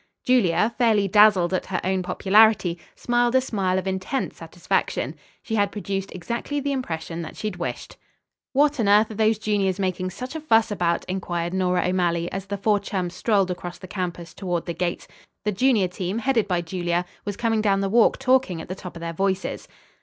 Julia, fairly dazzled at her own popularity, smiled a smile of intense satisfaction. She had produced exactly the impression that she wished. "What on earth are those juniors making such a fuss about?" inquired Nora O'Malley, as the four chums strolled across the campus toward the gate. The junior team, headed by Julia, was coming down the walk talking at the top of their voices.